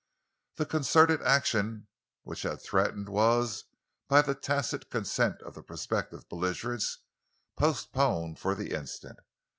The concerted action which had threatened was, by the tacit consent of the prospective belligerents, postponed for the instant.